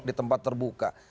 di tempat terbuka